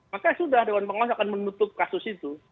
maka sudah dewan pengawas akan menutup kasus itu